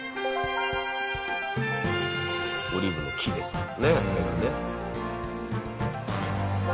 オリーブの木ですねあれがね。